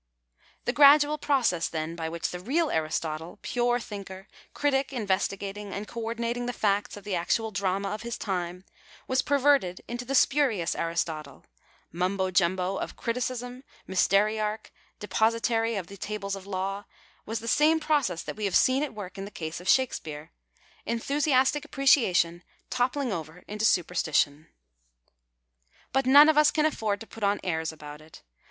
The gradual process, then, by which the real Aristotle, pure thinker, critic investigating and co ordinating the facts of the actual drama of his time, was perverted into the spurious Aristotle, Mumbo Jumbo of criticism, mysteriarch, deposi tary of the Tables of the Law, was the same process that we have seen at work in the case of Shakespeare — enthusiastic appreciation toppling over into superstition. But none of us can afford to put on airs about it.